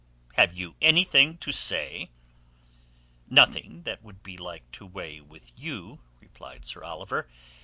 Have you anything to say?" "Nothing that would be like to weigh with you," replied Sir Oliver.